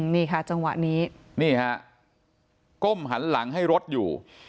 นี่ค่ะจังหวะนี้นี่ฮะก้มหันหลังให้รถอยู่